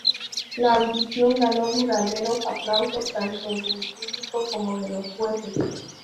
La audición ganó duraderos aplausos tanto de el público como de los jueces.